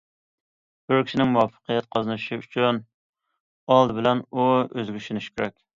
بىر كىشىنىڭ مۇۋەپپەقىيەت قازىنىشى ئۈچۈن ئالدى بىلەن ئۇ ئۆزىگە ئىشىنىشى كېرەك.